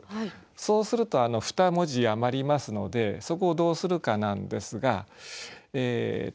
そうすると２文字余りますのでそこをどうするかなんですがえっとですね。